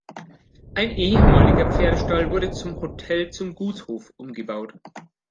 Ein ehemaliger Pferdestall wurde zum "Hotel Zum Gutshof" umgebaut.